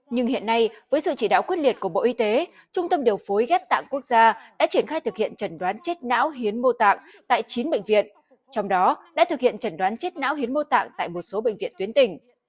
nhưng hiện nay với sự chỉ đạo quyết liệt của bộ y tế trung tâm điều phối ghép tạng quốc gia đã triển khai thực hiện trần đoán chết não hiến mô tạng tại chín bệnh viện trong đó đã thực hiện trần đoán chết não hiến mô tạng tại một số bệnh viện tuyến tỉnh